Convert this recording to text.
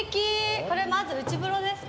これまず内風呂ですか？